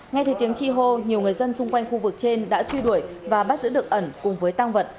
ngay từ tiếng chi hô nhiều người dân xung quanh khu vực trên đã truy đuổi và bắt giữ được ẩn cùng với tăng vật